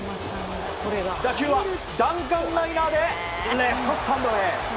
打球は弾丸ライナーでレフトスタンドへ。